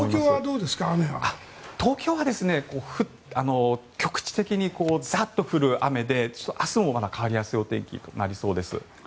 東京は局地的にザッと降る雨で明日もまだ変わりやすいお天気となりそうです。